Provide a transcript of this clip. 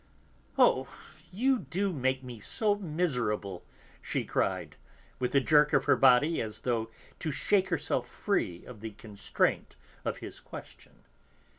"Oh, you do make me so miserable," she cried, with a jerk of her body as though to shake herself free of the constraint of his question.